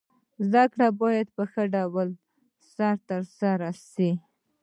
زده کړه باید په ښه ډول سره تر سره سي.